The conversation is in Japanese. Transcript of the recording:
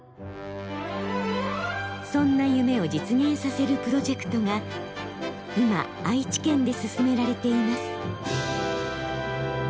そんな夢を実現させるプロジェクトが今愛知県で進められています。